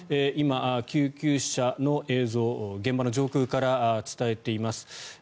今、救急車の映像現場の上空から伝えています。